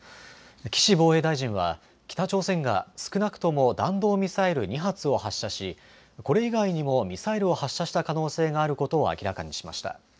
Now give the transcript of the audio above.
岸防衛大臣は、北朝鮮が少なくとも弾道ミサイル２発を発射し、これ以外にもミサイルを発射した可能性があることを明らかにしました。